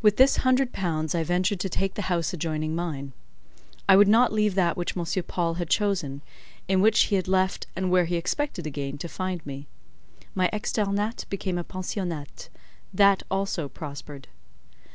With this hundred pounds I ventured to take the house adjoining mine. I would not leave that which M. Paul had chosen, in which he had left, and where he expected again to find me. My externat became a pensionnat; that also prospered.